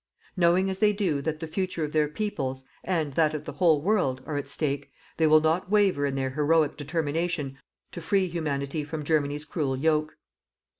Knowing as they do that the future of their peoples, and that of the whole world, are at stake, they will not waver in their heroic determination to free Humanity from Germany's cruel yoke.